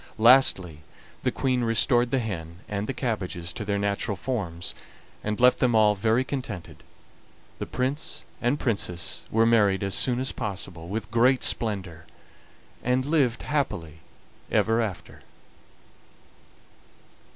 Lastly, the Queen restored the hen and the cabbages to their natural forms, and left them all very contented. The Prince and Princess were married as soon as possible with great splendor, and lived happily ever after.